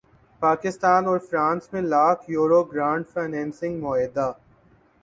پاکستان اور فرانس میں lakh euro grant financing معاہدہ